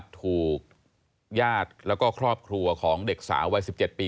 ถูกญาติแล้วก็ครอบครัวของเด็กสาววัย๑๗ปี